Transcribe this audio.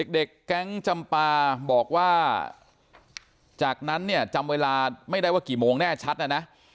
เด็กแก๊งจำปลาบอกว่าจากนั้นจำเวลาไม่ได้ว่ากี่โมงแน่ชัดนะ